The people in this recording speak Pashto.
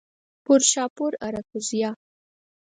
پورشاپور، آراکوزیا